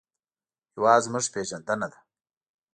هېواد زموږ پېژندنه ده